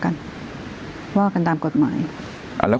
คุณแม่ก็ไม่อยากคิดไปเองหรอก